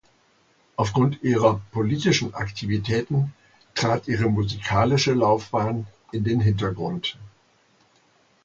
Aufgrund ihrer politischen Aktivitäten trat ihre musikalische Laufbahn in den Hintergrund.